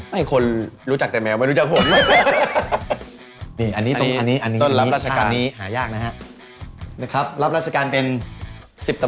ให้คนรู้จักแต่แมวไม่รู้จักผม